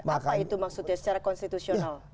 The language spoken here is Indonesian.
apa itu maksudnya secara konstitusional